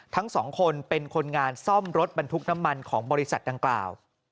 ทั้งสองคนเป็นคนงานซ่อมรถบรรทุกน้ำมันของบริษัทดังกล่าว